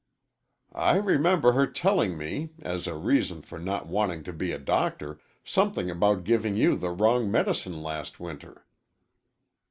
"I remember her telling me, as reason for not wanting to be a doctor, something about giving you the wrong medicine last winter."